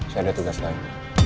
saya ada tugas lain